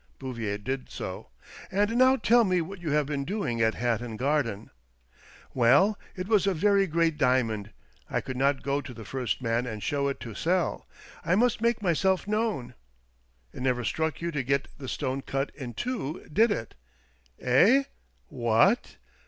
Bouvier did so. "And now tell me what you have been doing at Hatton Garden." " Well, it was a very great diamond — I could not go to the first man and show it to sell. I must make myself known." "It never struck you to get the stone cut in two, did it?" "Eh? What?